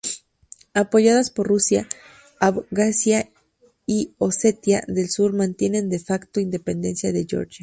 Apoyadas por Rusia; Abjasia y Osetia del Sur mantienen "de facto" independencia de Georgia.